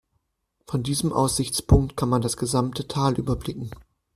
Von diesem Aussichtspunkt kann man das gesamte Tal überblicken.